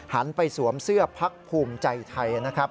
หันไปสวมเสื้อพักภูมิใจไทยนะครับ